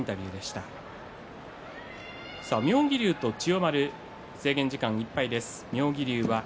妙義龍と千代丸が制限時間いっぱいです。